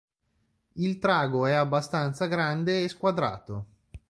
Il trago è abbastanza grande e squadrato.